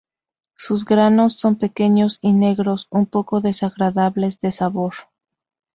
Sus granos son pequeños y negros, un poco desagradables de sabor.